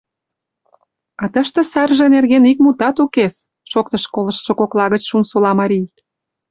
— А тыште сарже нерген ик мутат укес! — шоктыш колыштшо кокла гыч Шунсола марий.